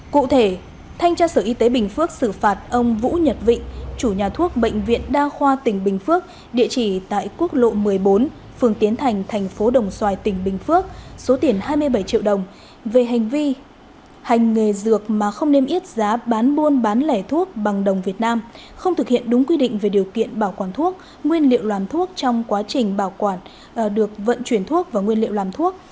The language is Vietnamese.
cụ thể thanh tra sở y tế bình phước xử phạt ông vũ nhật vị chủ nhà thuốc bệnh viện đa khoa tỉnh bình phước địa chỉ tại quốc lộ một mươi bốn phường tiến thành thành phố đồng xoài tỉnh bình phước số tiền hai mươi bảy triệu đồng về hành vi hành nghề dược mà không niêm yết giá bán buôn bán lẻ thuốc bằng đồng việt nam không thực hiện đúng quy định về điều kiện bảo quản thuốc nguyên liệu làm thuốc trong quá trình bảo quản được vận chuyển thuốc và nguyên liệu làm thuốc